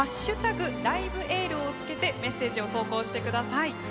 「＃ライブ・エール」を付けてメッセージを投稿してください。